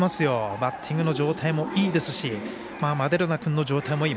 バッティングの状態いいですしヴァデルナ君の状態もいい。